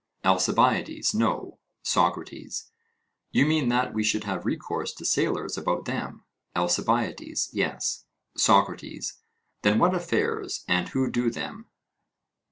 ALCIBIADES: No. SOCRATES: You mean that we should have recourse to sailors about them? ALCIBIADES: Yes. SOCRATES: Then what affairs? And who do them?